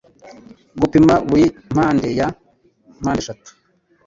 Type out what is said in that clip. Gupima buri mpande ya mpandeshatu